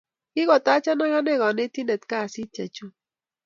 Kigotaacha agane kanetindet kasit chechung